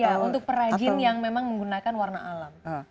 ya untuk perajin yang memang menggunakan warna alam